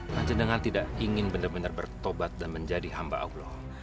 pencedengan tidak ingin benar benar bertobat dan menjadi hamba allah